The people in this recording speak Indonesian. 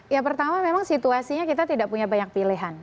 ya pertama memang situasinya kita tidak punya banyak pilihan